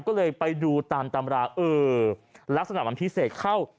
ก็เลยไปดูตามตำราเออลักษณะมันพิเศษเข้า